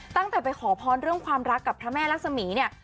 ตั้งแต่ไปขอพรเรื่องความรักกับพระแม่รักษมีเนี่ย